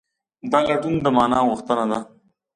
دا لټون د مانا غوښتنه ده.